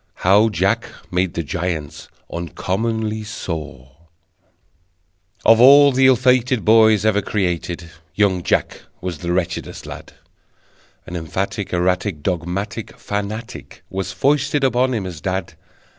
How Jack Made the Giants Uncommonly Sore Of all the ill fated Boys ever created Young Jack was the wretchedest lad: An emphatic, erratic, Dogmatic fanatic Was foisted upon him as dad!